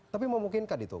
tapi memungkinkan itu